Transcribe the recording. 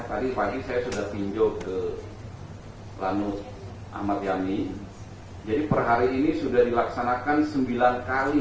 tadi pagi saya sudah tinjau ke lanut ahmad yani jadi per hari ini sudah dilaksanakan sembilan kali